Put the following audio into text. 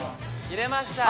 入れました。